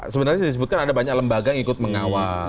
sebenarnya disebutkan ada banyak lembaga yang ikut mengawal